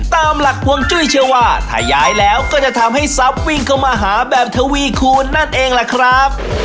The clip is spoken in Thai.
ตามหลักพวงจุ้ยเชื่อว่าถ้าย้ายแล้วก็จะทำให้ทรัพย์วิ่งเข้ามาหาแบบทวีคูณนั่นเองล่ะครับ